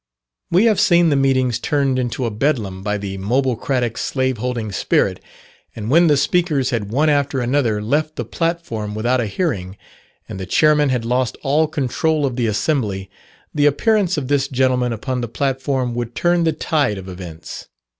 We have seen the meetings turned into a bedlam, by the mobocratic slave holding spirit, and when the speakers had one after another left the platform without a hearing, and the chairman had lost all control of the assembly, the appearance of this gentleman upon the platform would turn the tide of events.